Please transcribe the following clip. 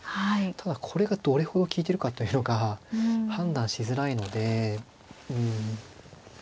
ただこれがどれほど利いてるかっていうのが判断しづらいので。